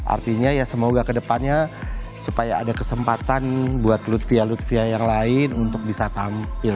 artinya ya semoga kedepannya supaya ada kesempatan buat lutfia lutfia yang lain untuk bisa tampil